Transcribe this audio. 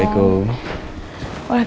kok bu andinan pak kesini